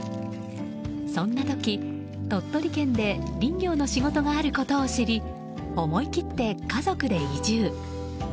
そんな時、鳥取県で林業の仕事があることを知り思い切って家族で移住。